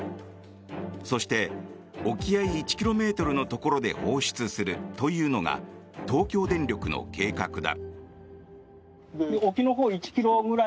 そして、沖合１ｋｍのところで放出するというのが東京電力の計画だ。